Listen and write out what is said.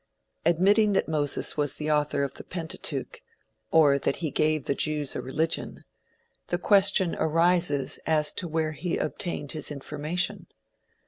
Admitting that Moses was the author of the Pentateuch, or that he gave to the Jews a religion, the question arises as to where he obtained his information.